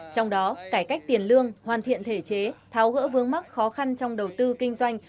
trong đó cải cách tiền lương hoàn thiện thể chế tháo gỡ vướng mắc khó khăn trong đầu tư kinh doanh